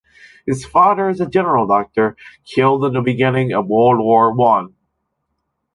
His father is a general doctor, killed in the beginning of World War One.